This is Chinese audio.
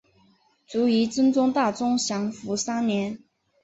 卒于真宗大中祥符三年。